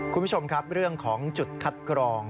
คุณผู้ชมครับเรื่องของจุดคัดกรอง